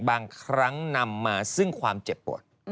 บางครั้งนำมาซึ่งความเจ็บปวด